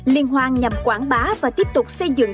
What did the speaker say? liên hoan nhằm quảng bá và tiếp tục xây dựng